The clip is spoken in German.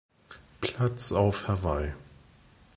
Platz auf Hawaii.